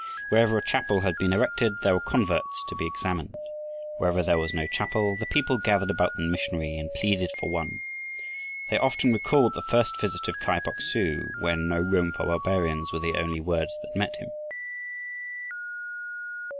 Wherever a chapel had been erected, there were converts to be examined; wherever there was no chapel, the people gathered about the missionary and pleaded for one. They often recalled the first visit of Kai Bok su when "No room for barbarians" were the only words that met him.